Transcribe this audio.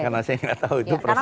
karena saya nggak tahu itu prosesnya